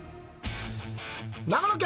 長野県